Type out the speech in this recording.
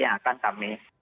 yang akan kami